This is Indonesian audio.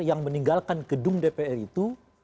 yang meninggalkan gedung dpr itu